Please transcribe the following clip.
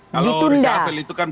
kalau reshuffle itu kan